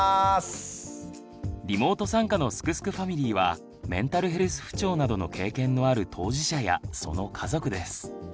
リモート参加のすくすくファミリーはメンタルヘルス不調などの経験のある当事者やその家族です。